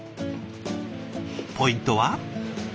ポイントは？